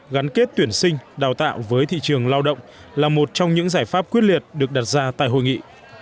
gắn kết tuyển sinh đào tạo với thị trường lao động là một trong những giải pháp quyết liệt được đặt ra tại hội nghị